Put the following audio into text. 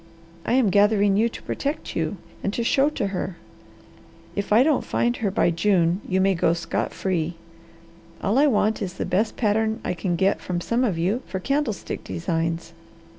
I am gathering you to protect you, and to show to her. If I don't find her by June, you may go scot free. All I want is the best pattern I can get from some of you for candlestick designs.